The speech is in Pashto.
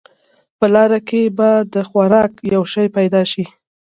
په لاره کې به د خوراک یو شی پیدا شي.